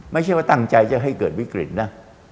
ไม่ใช่ว่าตั้งใจจะให้เกิดวิกฤตนะ